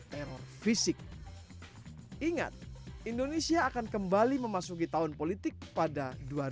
teror fisik ingat indonesia akan kembali memasuki tahun politik pada dua ribu dua puluh